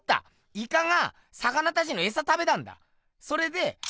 烏賊が魚たちの餌食べたんだ！